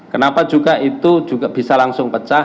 kenapa juga itu juga bisa langsung pecah